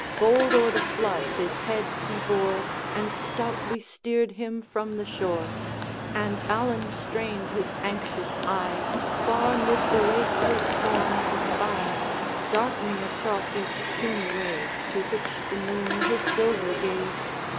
Bold o'er the flood his head he bore, And stoutly steered him from the shore; And Allan strained his anxious eye, Far mid the lake his form to spy, Darkening across each puny wave, To which the moon her silver gave.